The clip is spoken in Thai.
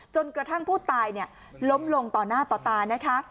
จนกระทั่งผู้ตายล้มลงต่อหน้าต่อตานะคะ